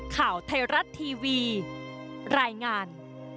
ข่าวไทยรัฐทีวีรายงาน